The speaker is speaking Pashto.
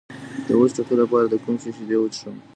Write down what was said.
د وچ ټوخي لپاره د کوم شي شیدې وڅښم؟